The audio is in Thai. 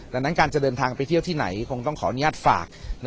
ดังนั้นการจะเดินทางไปเที่ยวที่ไหนคงต้องขออนุญาตฝาก